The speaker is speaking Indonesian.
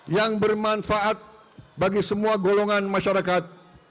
yang bermanfaat bagi semua golongan masyarakat